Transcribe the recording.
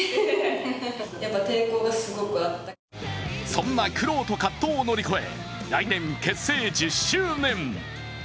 そんな苦労と葛藤を乗り越え、来年結成１０周年。